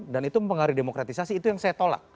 dan itu mempengaruhi demokratisasi itu yang saya tolak